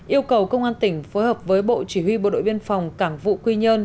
yêu cầu công an tỉnh phối hợp với bộ chỉ huy bộ đội biên phòng cảng vụ quy nhơn